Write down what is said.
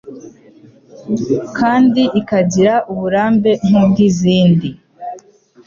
kandi ikagira uburambe nkubwizindi